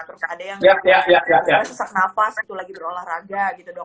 terus ada yang sesak nafas itu lagi berolahraga gitu dok